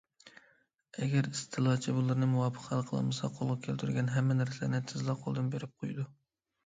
ئەگەر، ئىستېلاچى بۇلارنى مۇۋاپىق ھەل قىلالمىسا قولغا كەلتۈرگەن ھەممە نەرسىلەرنى تېزلا قولدىن بېرىپ قويىدۇ.